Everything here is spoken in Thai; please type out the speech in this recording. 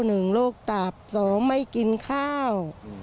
หนึ่งโรคตาบสองไม่กินข้าว